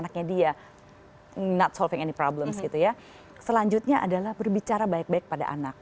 karena sebenarnya anaknya dia tidak menolong masalah selanjutnya adalah berbicara baik baik pada anak